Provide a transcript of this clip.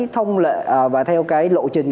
theo cái lộ trình